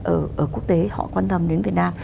ở quốc tế họ quan tâm đến việt nam